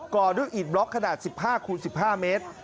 ่อด้วยอีดบล็อกขนาด๑๕คูณ๑๕เมตร